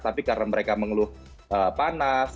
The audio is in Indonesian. tapi karena mereka mengeluh panas